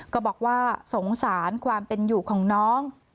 ก็บอกว่าสงสารความเป็นอยู่ของน้อง